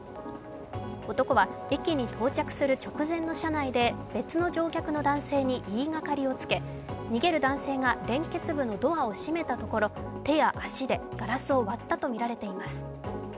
男は駅に到着する直前の車内で別の乗客の男性に言いがかりをつけ逃げる男性が連結部のドアを閉めたところ、手や足でガラスを割ったとみられています。